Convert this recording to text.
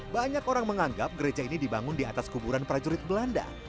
banyak orang menganggap gereja ini dibangun di atas kuburan prajurit belanda